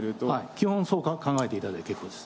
基本、そう考えていただいて結構です。